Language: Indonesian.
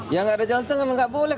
ya nggak ada jalan tengah nggak boleh